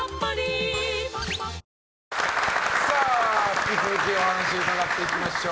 引き続きお話伺っていきましょう。